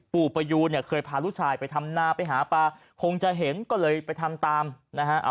ปู่ประยูนเนี่ยเคยพาลูกชายไปทำนาไปหาปลาคงจะเห็นก็เลยไปทำตามนะฮะ